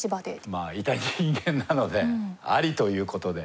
まあいた人間なのでありという事で。